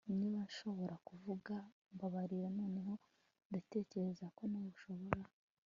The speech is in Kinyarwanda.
niba nshobora kuvuga mbabarira noneho ndatekereza ko nawe ushobora